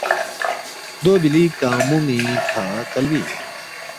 دو بِلی کنگمون٘ی کھہ کلبی اِن